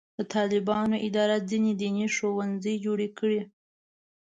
د طالبانو اداره ځینې دیني ښوونځي جوړ کړي.